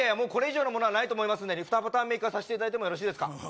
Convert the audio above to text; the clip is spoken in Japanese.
これ以上のものはないと思いますんで２パターン目いかさせていただいてもよろしいですか？